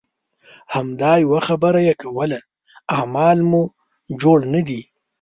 همدا یوه خبره یې کوله اعمال مو جوړ نه دي.